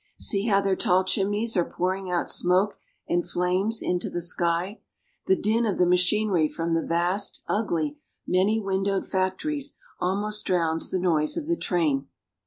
See how their tall chimneys are pouring out smoke and flames into the sky. The din of the machinery from the vast, ugly, many windowed factories almost drowns the noise of the train.